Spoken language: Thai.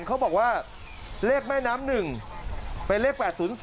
เขาบอกว่าเลขแม่น้ำ๑ไปเลข๘๐๒๐๒๒๐